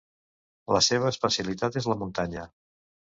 La seva especialitat és la muntanya.